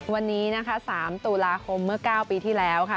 วันนี้นะคะ๓ตุลาคมเมื่อ๙ปีที่แล้วค่ะ